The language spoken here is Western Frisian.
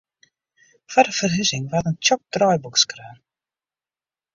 Foar de ferhuzing waard in tsjok draaiboek skreaun.